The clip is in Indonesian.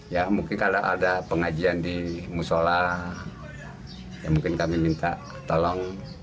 pemulangan di musola mungkin kami minta tolong